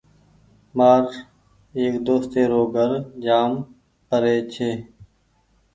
مآرو ايڪ دوستي رو گھر جآم پري ڇي ۔